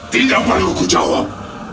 tidak perlu aku menjawab